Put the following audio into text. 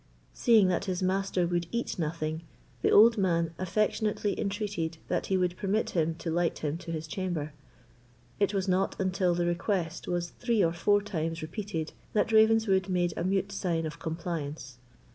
Seeing that his master would eat nothing, the old man affectionately entreated that he would permit him to light him to his chamber. It was not until the request was three or four times repeated that Ravenswood made a mute sign of compliance.